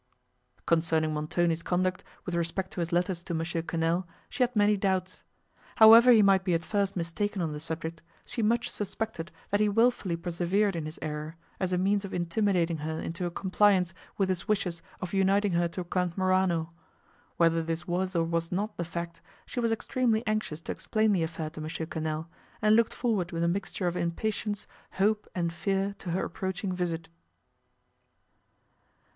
Concerning Montoni's conduct with respect to his letters to M. Quesnel, she had many doubts; however he might be at first mistaken on the subject, she much suspected that he wilfully persevered in his error, as a means of intimidating her into a compliance with his wishes of uniting her to Count Morano. Whether this was or was not the fact, she was extremely anxious to explain the affair to M. Quesnel, and looked forward with a mixture of impatience, hope and fear, to her approaching visit.